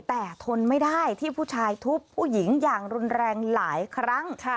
แต่ทนไม่ได้ที่ผู้ชายทุบผู้หญิงอย่างรุนแรงหลายครั้ง